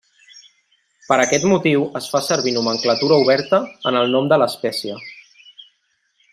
Per aquest motiu, es fa servir nomenclatura oberta en el nom de l'espècie.